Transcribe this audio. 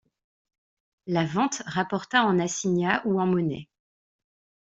La vente rapporta en assignat ou en monnaie.